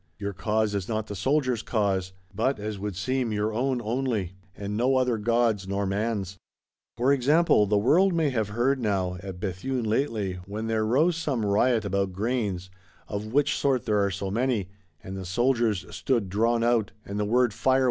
Your cause is not the soldier's cause; but, as would seem, your own only, and no other god's nor man's. For example, the world may have heard how, at Bethune lately, when there rose some "riot about grains," of which sort there are so many, and the soldiers stood drawn out, and the word "Fire!